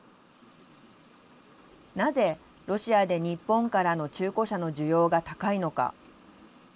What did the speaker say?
なぜロシアで日本からの中古車の需要が高いのか。